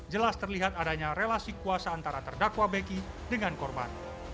jelas terlihat adanya relasi kuasa antara terdakwa beki dengan korban